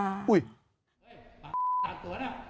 หาตั๋วนะ